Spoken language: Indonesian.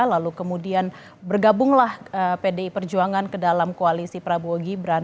lalu kemudian bergabunglah pdi perjuangan ke dalam koalisi prabowo gibran